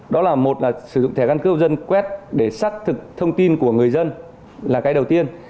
đó là một là sử dụng thẻ căn cước dân quét để xác thực thông tin của người dân là cái đầu tiên